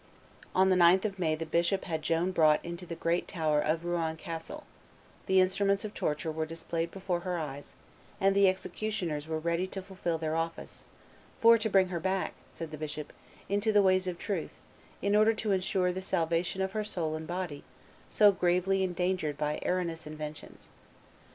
On the 9th of May the bishop had Joan brought into the great tower of Rouen Castle; the instruments of torture were displayed before her eyes; and the executioners were ready to fulfil their office, "for to bring her back," said the bishop, "into the ways of truth, in order to insure the salvation of her soul and body, so gravely endangered by erroneous inventions."